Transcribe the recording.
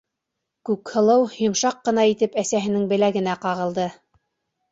— Күкһылыу йомшаҡ ҡына итеп әсәһенең беләгенә ҡағылды.